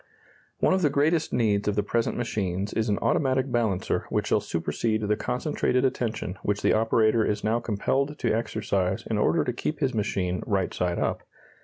] One of the greatest needs of the present machines is an automatic balancer which shall supersede the concentrated attention which the operator is now compelled to exercise in order to keep his machine right side up.